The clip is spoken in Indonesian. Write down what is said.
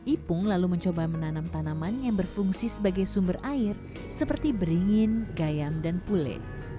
ipung lalu mencoba menanam tanaman yang berfungsi sebagai sumber air seperti beringin gayam dan pule